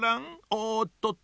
おっとっと